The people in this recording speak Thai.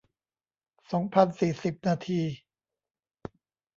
สองพันสี่สิบ นาที